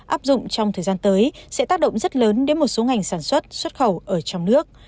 áp dụng trong thời gian tới sẽ tác động rất lớn đến một số ngành sản xuất xuất khẩu ở trong nước